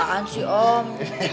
apaan sih om